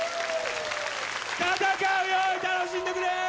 戦うように楽しんでくれよ！